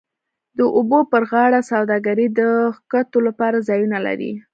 د اوبو پر غاړه سوداګرۍ د کښتیو لپاره ځایونه لري